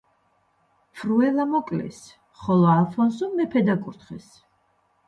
ფრუელა მოკლეს, ხოლო ალფონსო მეფედ აკურთხეს.